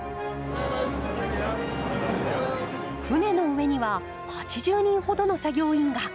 船の上には８０人ほどの作業員が。